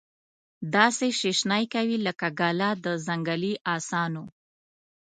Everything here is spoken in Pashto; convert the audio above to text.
داسي شیشنی کوي لکه ګله د ځنګلې اسانو